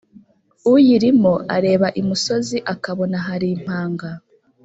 uyirimo areba imusozi akabona hari impanga